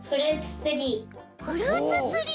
フルーツツリー！